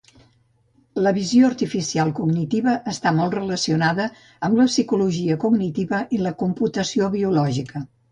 La visió artificial cognitiva està molt relacionada amb la psicologia cognitiva i la computació biològica.